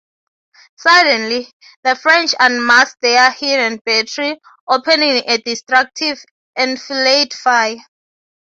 Suddenly, the French unmasked their hidden battery, opening a destructive enfilade fire.